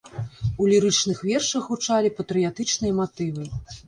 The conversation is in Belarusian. У лірычных вершах гучалі патрыятычныя матывы.